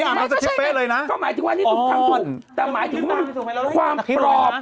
ก็หมายถึงว่านี่คำถูกแต่หมายถึงความปลอม